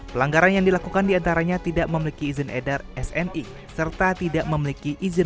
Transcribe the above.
pelanggaran yang dilakukan diantaranya tidak memiliki izin edar sni serta tidak memiliki izin